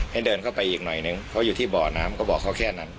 ให้เดินเข้าไปอีกหน่อยนึงเพราะอยู่ที่บ่อน้ำก็บอกเขาแค่นั้น